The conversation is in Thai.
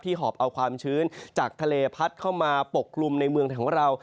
หอบเอาความชื้นจากทะเลพัดเข้ามาปกกลุ่มในเมืองของเรา